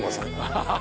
アハハハ